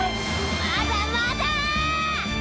まだまだ！